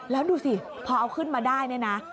แล้วดูสิพอเอาขึ้นมาได้เนี่ยนะ